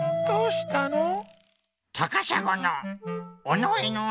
どうしたの？